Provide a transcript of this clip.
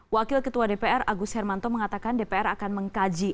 wakil ketua dpr agus hermanto mengatakan dpr akan mengkaji